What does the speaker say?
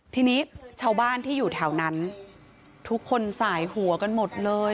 ทีนี้ชาวบ้านที่อยู่แถวนั้นทุกคนสายหัวกันหมดเลย